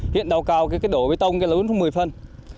hiện đầu cao cái đổ bê tông là lút xuống một mươi phân